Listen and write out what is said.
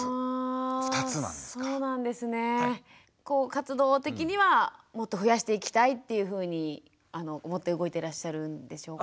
活動的にはもっと増やしていきたいっていうふうに思って動いていらっしゃるんでしょうか？